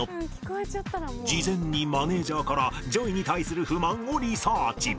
事前にマネージャーから ＪＯＹ に対する不満をリサーチ